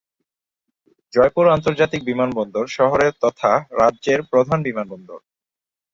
জয়পুর আন্তর্জাতিক বিমানবন্দর শহরের তথা রাজ্যের প্রধান বিমানবন্দর।